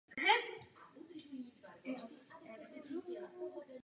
Druhá kniha se více věnuje stavu soudobé Francie.